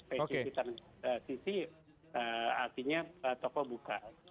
psbb transisi artinya toko buka